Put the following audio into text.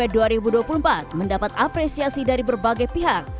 dua ribu dua puluh empat mendapat apresiasi dari berbagai pihak